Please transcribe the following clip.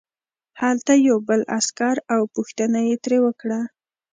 هلته یو بل عسکر و او پوښتنه یې ترې وکړه